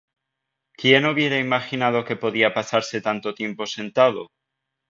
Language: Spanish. ¿Quién hubiera imaginado que podía pasarse tanto tiempo sentado?